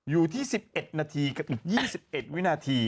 อยู่ที่สิบเอ็ดนาทีกับอีกยี่สิบเอ็ดวินาที